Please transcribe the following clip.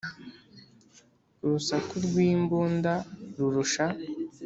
urusaku rw’imbunda rurusha